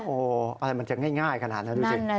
โอ้โหอะไรมันจะง่ายกนั้นนะดูสิจิบเองเลยอ่ะ